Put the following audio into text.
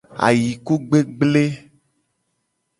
Ayikugbegble.